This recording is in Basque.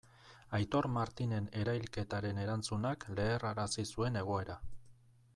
Aitor Martinen erailketaren erantzunak leherrarazi zuen egoera.